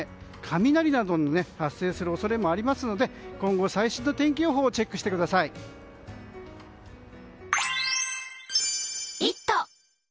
雷なども発生する恐れもありますので今後、最新の天気予報をチェックしてください。